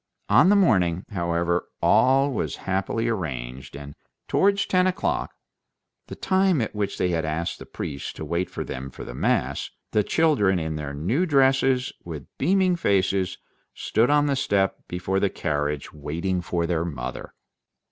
On the morning, however, all was happily arranged, and towards ten o'clock—the time at which they had asked the priest to wait for them for the mass—the children in their new dresses, with beaming faces, stood on the step before the carriage waiting for their mother.